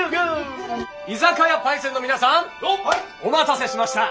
居酒屋パイセンの皆さん！お待たせしました！